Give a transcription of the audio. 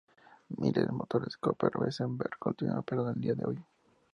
Miles de motores Cooper-Bessemer continúan operando al día de hoy.